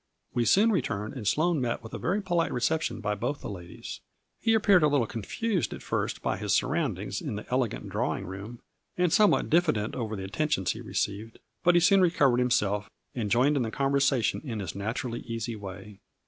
We soon returned and Sloane met with a very polite reception by both of the ladies. He appeared a little confused at first by his surroundings in the elegant drawing room, and somewhat diffident over the attentions he re ceived, but he soon recovered himself and joined in the conversation in his naturally easy way.